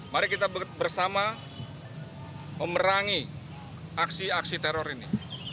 mari kita bersama memerangi aksi aksi teror ini